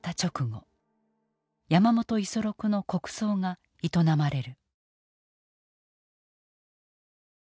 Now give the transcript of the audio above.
山本五十六の国葬が営まれる。